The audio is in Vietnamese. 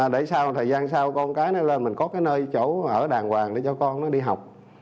để sau thời gian sau con cái nó lên mình có cái nơi chỗ ở đàng hoàng để cho con nó đi học